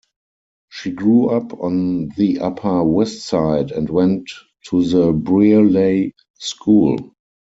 She grew up on the Upper West Side and went to the Brearley School.